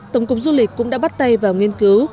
tổng cục du lịch cũng đã bắt tay vào nghiên cứu